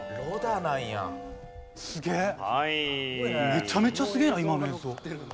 めちゃめちゃすげえな今の映像。